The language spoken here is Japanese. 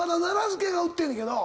売ってんねんけど。